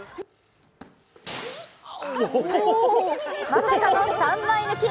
まさかの３枚抜き。